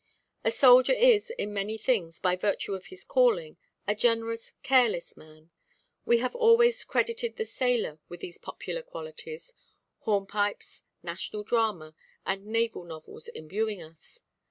A soldier is, in many things, by virtue of his calling, a generous, careless man. We have always credited the sailor with these popular qualities; hornpipes, national drama, and naval novels imbuing us.